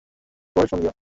পরে ফোন দিও।